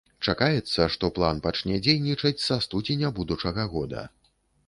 Чакаецца, што план пачне дзейнічаць са студзеня будучага года.